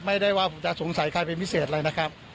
ไม่ได้ว่าผมจะสงสัยใครเป็นพิเศษอะไรนะครับ